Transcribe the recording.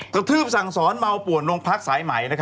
กระทืบสั่งสอนเมาป่วนโรงพักสายใหม่